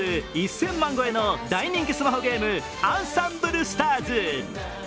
数１０００万超えの大人気スマホゲーム「あんさんぶるスターズ！！」